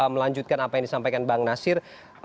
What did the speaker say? melanjutkan apa yang disampaikan bang nasir